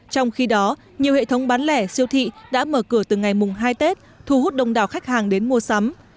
trong khi đó nhiều hệ thống bán lẻ siêu thị đã mở cửa từ ngày mùng hai tết thu hút đông đảo khách hàng đến mua sắm